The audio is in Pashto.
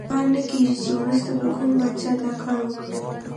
ګمان نه کیږي چې وروسته به کوم پاچا دا کار وکړي.